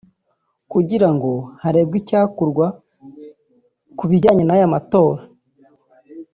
kugira ngo harebwe icyakorwa ku bijyanye n’aya matora